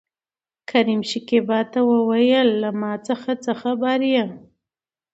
کريم شکيبا ته وويل ته له ما څخه څه خبره يې؟